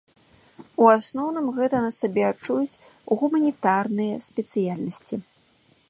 У асноўным гэта на сабе адчуюць гуманітарныя спецыяльнасці.